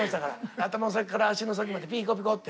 頭の先から足の先までピーコピコって。